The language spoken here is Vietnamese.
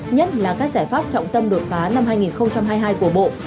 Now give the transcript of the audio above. nhất là các giải pháp trọng tâm đột phá năm hai nghìn hai mươi hai của bộ